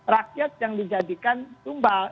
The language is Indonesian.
rakyat yang dijadikan tumpah